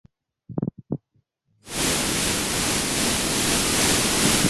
ambayo chini ya mikataba ya Jeniva yangekuwa uhalifu wa kivita